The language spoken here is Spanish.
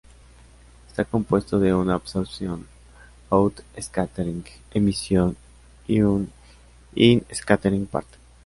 Está compuesto de una absorción, out-scattering, emisión y un in-scattering parte.